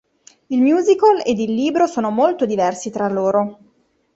Il musical ed il libro sono molto diversi tra loro.